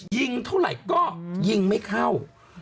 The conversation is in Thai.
ยิงเท่าไหร่ก็ยิงไม่เข้า